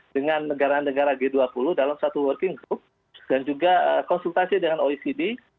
dan juga konsultasi dengan oecd